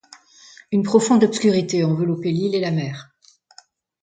Une profonde obscurité enveloppait l’île et la mer.